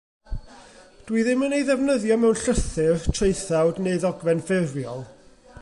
Dw i ddim yn ei ddefnyddio mewn llythyr, traethawd neu ddogfen ffurfiol.